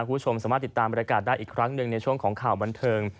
คุณผู้ชมสามารถติดตามบริการได้อีกครั้งหนึ่งในช่วงของข่าวบันเทิง